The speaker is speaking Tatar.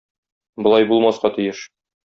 Болай булмаска тиеш!